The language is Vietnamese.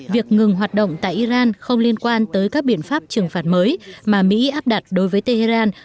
việc ngừng hoạt động tại iran không liên quan tới các biện pháp trừng phạt mới mà mỹ áp đặt đối với tehran